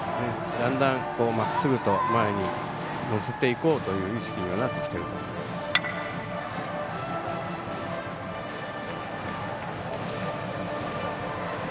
だんだんまっすぐと前に乗せていこうという意識にはなってきていると思います。